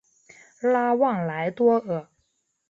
拉旺莱多尔。